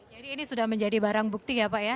jadi ini sudah menjadi barang bukti ya pak ya